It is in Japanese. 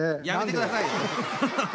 やめてくださいよ。